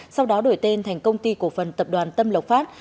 sau đó đổi tên thành công ty cổ phần tập đoàn tâm lộc phát